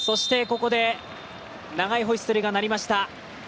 長いホイッスルが鳴りました。